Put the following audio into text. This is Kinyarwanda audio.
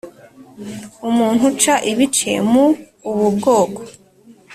Umuntu uca ibice mu ubu bwoko